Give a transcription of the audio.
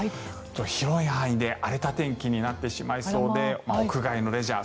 広い範囲で荒れた天気になってしまいそうで屋外のレジャー